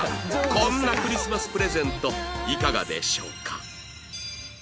こんなクリスマスプレゼントいかがでしょうか？